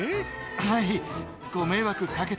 はい。